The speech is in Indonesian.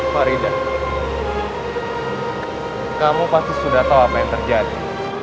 farida kamu pasti sudah tahu apa yang terjadi